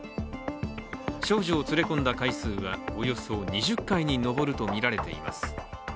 少女を連れ込んだ回数はおよそ２０回に及ぶとみられています。